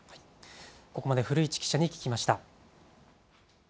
ここまで古市記者に聞きました。